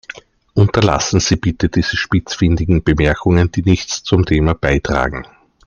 Unterlassen Sie bitte diese spitzfindigen Bemerkungen, die nichts zum Thema beitragen.